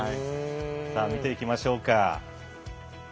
見ていきましょうか。